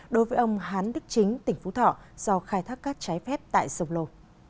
đối với ông hán đức chính tỉnh phú thọ do khai thác cát trái phép tại sông lô